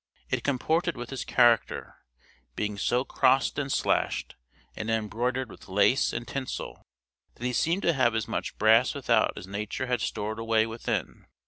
It comported with his character, being so crossed and slashed, and embroidered with lace and tinsel, that he seemed to have as much brass without as nature had stored away within.